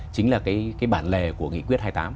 chính là cái bản lề của nghị quyết hai mươi tám